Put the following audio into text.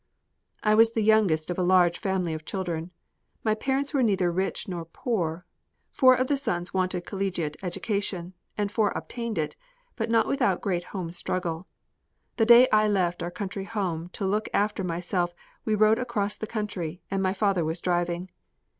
I was the youngest of a large family of children. My parents were neither rich nor poor; four of the sons wanted collegiate education, and four obtained it, but not without great home struggle. The day I left our country home to look after myself we rode across the country, and my father was driving.